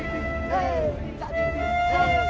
mereka gak bisa diajar aku